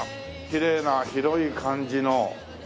きれいな広い感じの。